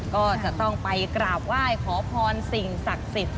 ก็จะต้องไปกราบไหว้ขอพรสิ่งศักดิ์สิทธิ